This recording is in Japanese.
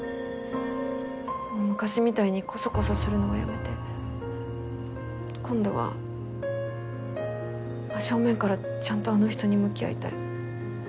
もう昔みたいにコソコソするのはやめて今度は真正面からちゃんとあの人に向き合いたい。